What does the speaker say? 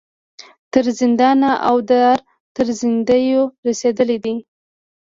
تر زندان او دار تر زندیو رسېدلي دي.